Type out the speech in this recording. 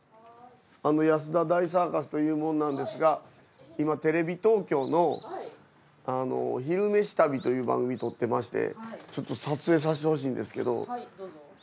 安田大サーカスという者なんですが今テレビ東京の「昼めし旅」という番組撮ってましてちょっと撮影させてほしいんですけど。